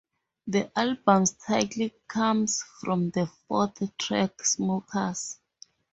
The album's title comes from the fourth track, "Smokers".